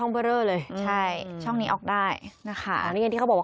บานเกร็ดก็